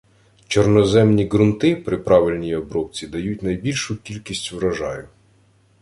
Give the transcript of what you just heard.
Чорноземні ґрунти при правильній обробці дають найбільшу кількість врожаю